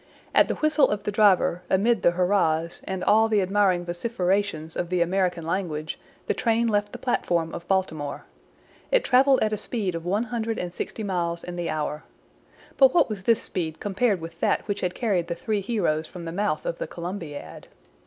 At the whistle of the driver, amid the hurrahs, and all the admiring vociferations of the American language, the train left the platform of Baltimore. It traveled at a speed of one hundred and sixty miles in the hour. But what was this speed compared with that which had carried the three heroes from the mouth of the Columbiad?